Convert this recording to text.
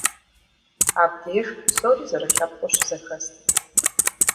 Абдеж псори зэрылъэпкъыу щызэхэст.